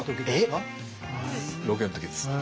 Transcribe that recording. ロケの時ですか？